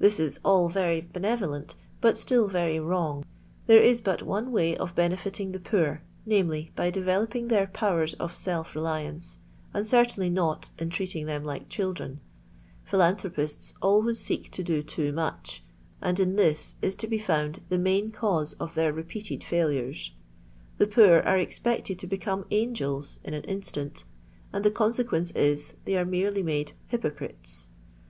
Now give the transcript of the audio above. This is all very benevolent, but still very wrong. There is but one way of benefiting the poor, viz., by developing their powers of self reliance, and certainly not in treating them like children. Philanthropists always seek to do too much, and in this is to be found the main cause of their repeated failures. The poor are expected to become angels in an instant, and the consequence is, they are merely made hypoeriiei.